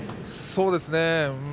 そうですね。